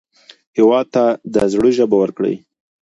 هېواد ته د زړه ژبه ورکړئ